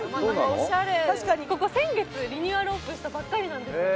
おしゃれ確かにここ先月リニューアルオープンしたばっかりなんです